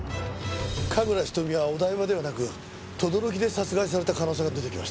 神楽瞳はお台場ではなく等々力で殺害された可能性が出てきましたね。